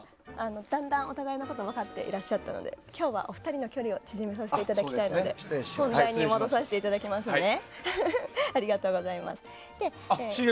だんだんお互いのこと分かっていらっしゃったので今日はお二人の距離を縮めさせていただきたいので本題に戻させていただきますね。